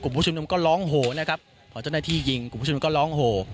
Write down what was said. ผู้ชุมนุมก็ร้องโหนะครับพอเจ้าหน้าที่ยิงกลุ่มผู้ชมนุมก็ร้องโห